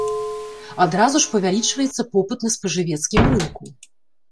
Адразу ж павялічваецца попыт на спажывецкім рынку.